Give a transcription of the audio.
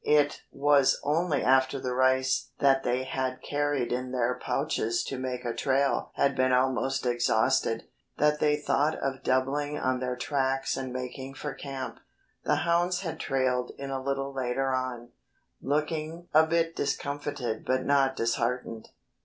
It was only after the rice that they had carried in their pouches to make a trail had been almost exhausted, that they thought of doubling on their tracks and making for camp. The hounds had trailed in a little later on, looking a bit discomfited but not disheartened.